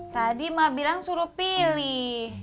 tadi ma bilang suruh pilih